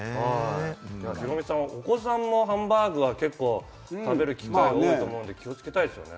ヒロミさんはお子さんもハンバーグは結構食べる機会が多いと思うんで気をつけたいですよね。